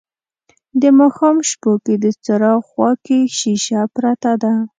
د ماښام شپو کې د څراغ خواکې شیشه پرته ده